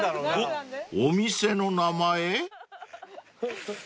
［お店の名前？］